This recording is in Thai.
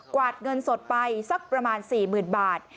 วาดเงินสดไปสักประมาณ๔๐๐๐บาท